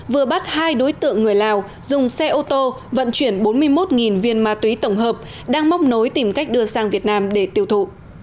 vừa bắt hai đối tượng người lào dùng xe ô tô vận chuyển bốn mươi một viên ma túy tổng hợp đang móc nối tìm cách đưa sang việt nam để tiêu thụ